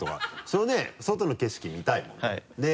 そのね外の景色見たいもんね。